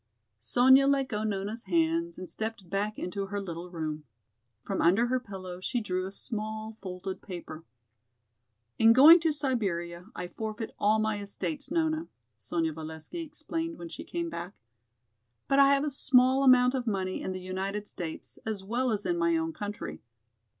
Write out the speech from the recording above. Sonya let go Nona's hands and stepped back into her little room. From under her pillow she drew a small folded paper. "In going to Siberia I forfeit all my estates, Nona," Sonya Valesky explained when she came back. "But I have a small amount of money in the United States, as well as in my own country.